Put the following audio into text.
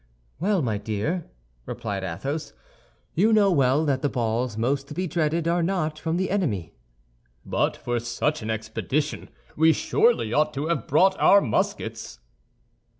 "Well, my dear," replied Athos, "you know well that the balls most to be dreaded are not from the enemy." "But for such an expedition we surely ought to have brought our muskets."